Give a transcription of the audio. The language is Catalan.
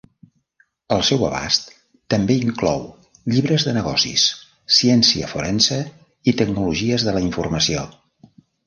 El seu abast també inclou llibres de negocis, ciència forense i tecnologies de la informació.